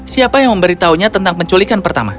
siapa yang memberitahunya tentang penculikan pertama